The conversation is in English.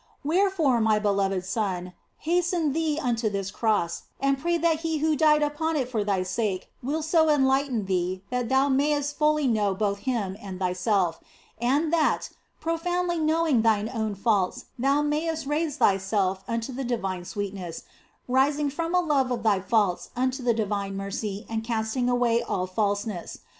Wherefore, my beloved son, haste thee unto this Cross and pray that He who died upon it for thy sake will so enlighten thee that thou mayst fully know both Him and thyself, and that, profoundly knowing thine own faults, thou mayest raise thyself unto the divine sweetness, rising from a love of thy faults unto the divine mercy and cast ing away all falseness.